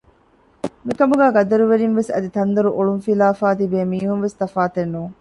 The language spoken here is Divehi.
މިކަމުގައި ގަދަރުވެރިން ވެސް އަދި ތަންދޮރު އޮޅުން ފިލާފައި ތިބޭ މީހުން ވެސް ތަފާތެއް ނޫން